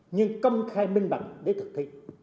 nhưng công khai minh bằng để thực thi